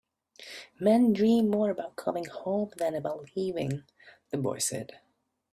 "Men dream more about coming home than about leaving," the boy said.